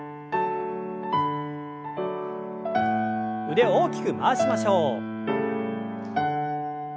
腕を大きく回しましょう。